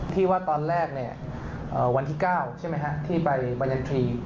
ที่ว่าตอนแรกเนี่ยวันที่๙ใช่ไหมฮะที่ไปบรรยันทรีย์